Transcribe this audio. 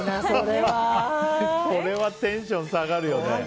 これはテンション下がるよね。